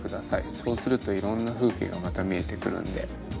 そうするといろんな風景がまた見えてくるんで。